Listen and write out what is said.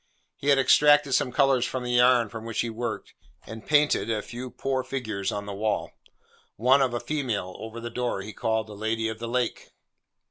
He had extracted some colours from the yarn with which he worked, and painted a few poor figures on the wall. One, of a female, over the door, he called 'The Lady of the Lake.